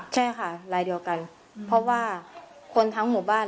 ใช่ค่ะลายเดียวกันเพราะว่าคนทั้งหมู่บ้าน